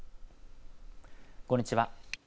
こんにちは。